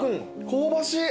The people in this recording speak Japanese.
香ばしい。